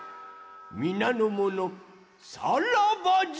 みなのものさらばじゃ！